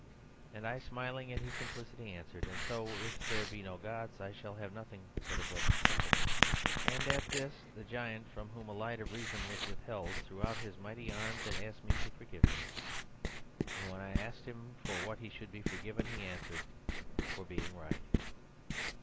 "And I, smiling at his simplicity, answered: 'And so, if there be no gods, I shall have nothing but a broken temple.' "And at this, that giant from whom the light of reason was withheld threw out his mighty arms and asked me to forgive him. And when I asked him for what he should be forgiven he answered: 'For being right.